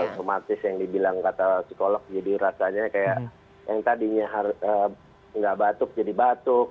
otomatis yang dibilang kata psikolog jadi rasanya kayak yang tadinya nggak batuk jadi batuk